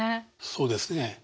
そうですね。